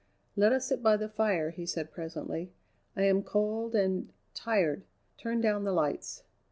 "Let us sit by the fire," he said presently, "I am cold and tired. Turn down the lights."